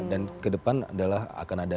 dan ke depan adalah akan ada